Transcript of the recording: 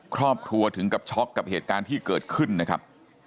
ครอบครัวถึงกับช็อกกับเหตุการณ์ที่เกิดขึ้นนะครับ